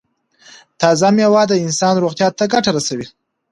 تازه میوه د انسان روغتیا ته ګټه رسوي.